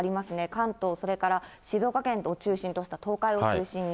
関東、それから静岡県を中心とした東海を中心に。